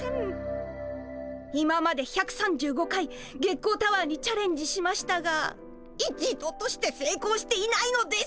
今まで１３５回月光タワーにチャレンジしましたが一度としてせいこうしていないのです。